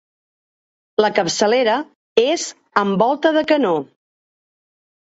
La capçalera és amb volta de canó.